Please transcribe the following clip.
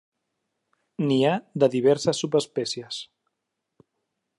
N'hi ha diverses subespècies.